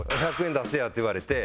「１００円出せや」って言われて。